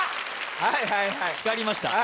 はいはいはい光りました